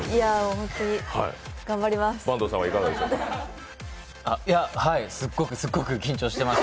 本当に頑張ります。